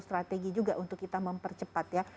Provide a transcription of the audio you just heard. strategi juga untuk kita mempercepat ya